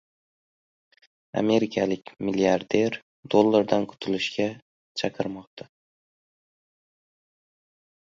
Amerikalik milliarder dollardan qutulishga chaqirmoqda